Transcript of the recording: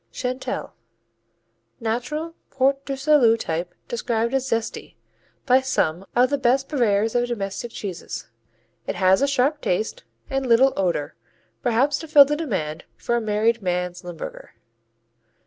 Chantelle U.S.A. Natural Port du Salut type described as "zesty" by some of the best purveyors of domestic cheeses. It has a sharp taste and little odor, perhaps to fill the demand for a "married man's Limburger."